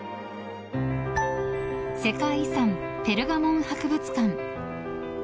世界遺産ペルガモン博物館。